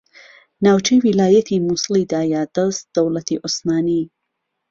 ناوچەی ویلایەتی موسڵی دایە دەست دەوڵەتی عوسمانی